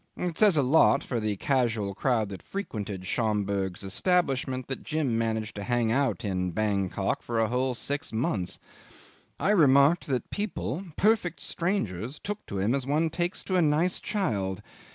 It says a lot for the casual crowd that frequented Schomberg's establishment that Jim managed to hang out in Bankok for a whole six months. I remarked that people, perfect strangers, took to him as one takes to a nice child.